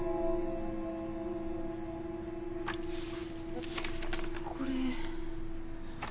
えっこれ。